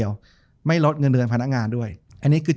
จบการโรงแรมจบการโรงแรม